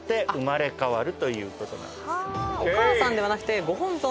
お母さんではなくご本尊？